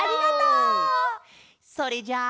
それじゃあ。